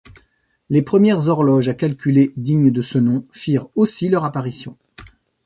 Les premières horloges à calculer dignes de ce nom firent aussi leur apparition.